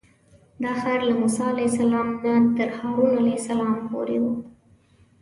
دا ښار له موسی علیه السلام نه تر هارون علیه السلام پورې و.